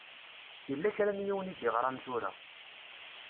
Yella kra n yiwen i d-iɣṛan tura.